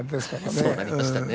そうなりましたね。